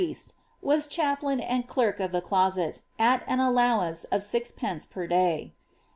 pnest, was chaplain and derk of the closet, at an allowance of sixpence per day.